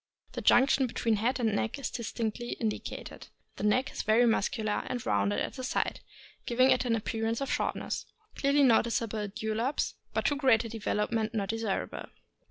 The junction between head and neck is distinctly indicated. The neck is very muscular, and rounded at the sides, giving it an appearance of shortness. Clearly notice able dewlaps, but a too great development not desirable.